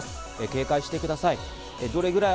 警戒してください。